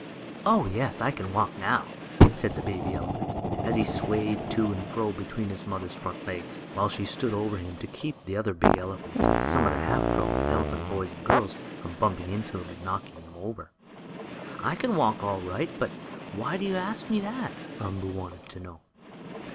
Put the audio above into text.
"Oh, yes, I can walk now," said the baby elephant, as he swayed to and fro between his mother's front legs, while she stood over him to keep the other big elephants, and some of the half grown elephant boys and girls, from bumping into him, and knocking him over. "I can walk all right. But why do you ask me that?" Umboo wanted to know.